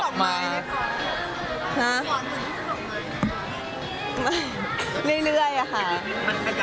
ก็คือพี่ที่อยู่เชียงใหม่พี่อธค่ะ